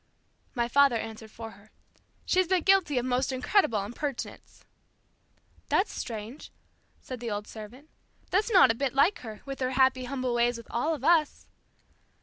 My father answered for her. "She's been guilty of most incredible impertinence." "That's strange," said the old servant. "That's not a bit like her, with her happy, humble ways with all of us."